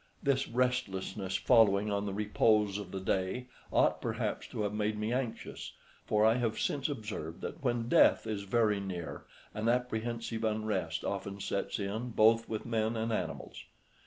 This restlessness, following on the repose of the day, ought perhaps to have made me anxious, for I have since observed that when death is very near an apprehensive unrest often sets in both with men and animals.